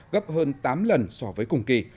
gấp hơn tám lần so với cùng kỳ